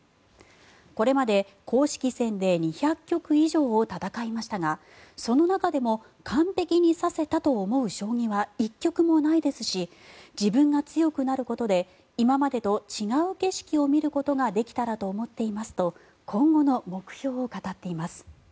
これまで公式戦で２００局以上を戦いましたがその中でも完璧に指せたと思う将棋は一局もないですし自分が強くなることで今までと違う景色を見ることができたらと思っていますと今後の目標を語っています。